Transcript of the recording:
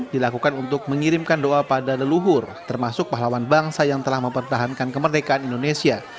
dilakukan untuk mengirimkan doa pada leluhur termasuk pahlawan bangsa yang telah mempertahankan kemerdekaan indonesia